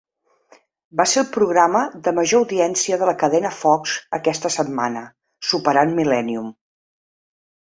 Va ser el programa de major audiència de la cadena Fox aquesta setmana, superant 'Millennium'.